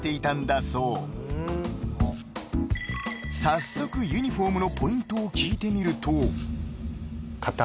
［早速ユニフォームのポイントを聞いてみると］